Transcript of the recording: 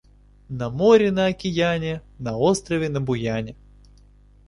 На море, на окияне, на острове на Буяне.